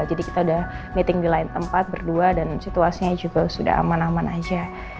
jadi kita udah meeting di lain tempat berdua dan situasinya juga sudah aman aman aja